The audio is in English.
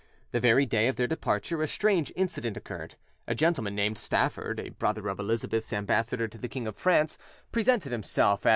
The very day of their departure a strange incident occurred. A gentleman named Stafford, a brother of Elizabeth's ambassador to the King of France, presented himself at M.